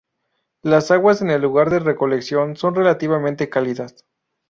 Las aguas en el lugar de recolección son relativamente cálidas.